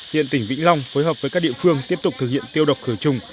hiện tỉnh vĩnh long phối hợp với các địa phương tiếp tục thực hiện tiêu độc khởi trùng